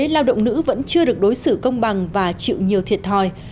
lao động nữ vẫn chưa được đối xử công bằng và chịu nhiều thiệt thòi